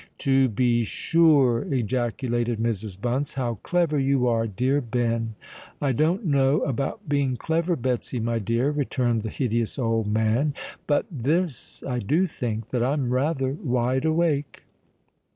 "To be sure!" ejaculated Mrs. Bunce. "How clever you are, dear Ben." "I don't know about being clever, Betsy my dear," returned the hideous old man; "but this I do think—that I'm rather wide awake."